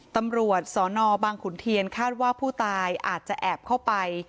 ตำรวจสนบางขุนเทียนคาดว่าผู้ตายอาจจะแอบเข้าไป